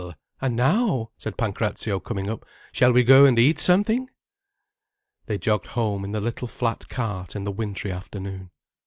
—And now," said Pancrazio, coming up, "shall we go and eat something?" They jogged home in the little flat cart in the wintry afternoon.